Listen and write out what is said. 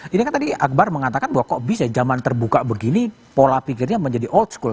jadi tadi akbar mengatakan bahwa kok bisa zaman terbuka begini pola pikirnya menjadi old school